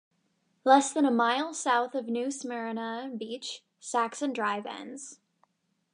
Less than a mile south of New Smyrna Beach, Saxon Drive ends.